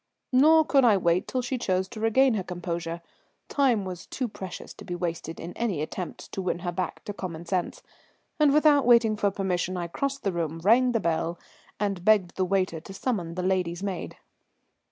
Nor could I wait till she chose to regain her composure. Time was too precious to be wasted in any attempts to win her back to common sense, and without waiting for permission I crossed the room, rang the bell, and begged the waiter to summon the lady's maid.